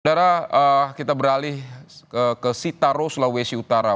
dara kita beralih ke sitaro sulawesi utara